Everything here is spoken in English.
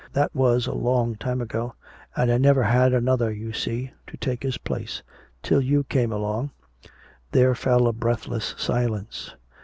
That was a long time ago and I never had another, you see to take his place till you came along." There fell a breathless silence.